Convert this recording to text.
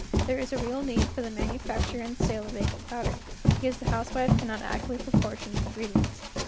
There is a real need for the manufacture and sale of baking powder, because the housewife cannot accurately proportion the in¬ gredients.